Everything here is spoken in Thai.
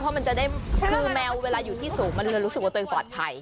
เพราะมันจะได้คือแมวเวลาอยู่ที่สูงมันจะรู้สึกว่าตัวเองปลอดภัย